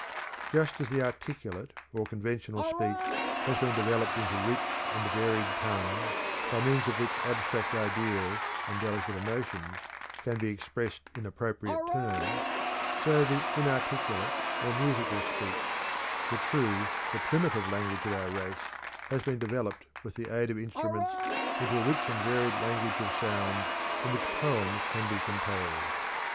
Just as the articulate or conventional speech has been developed into rich and varied tongues, by means of which abstract ideas and delicate emotions can be expressed in appropriate terms, so the inarticulate or musical speech, the true, the primitive language of our race, has been developed with the aid of instruments into a rich and varied language of sound in which poems can be composed.